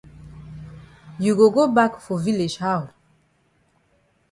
You go go bak for village how?